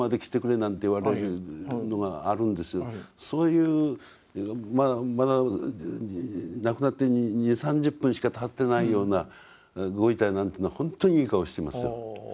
そういうまだ亡くなって２０３０分しかたってないようなご遺体なんていうのはほんとにいい顔をしてますよ。